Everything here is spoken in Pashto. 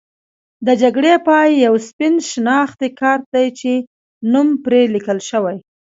د جګړې پای یو سپین شناختي کارت دی چې نوم پرې لیکل شوی.